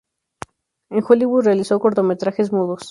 En Hollywood realizó cortometrajes mudos.